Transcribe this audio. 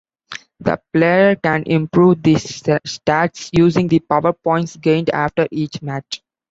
The player can improve these stats using the power points gained after each match.